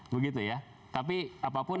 begitu ya tapi apapun